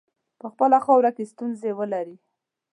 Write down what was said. په خپله خاوره کې ستونزي ولري.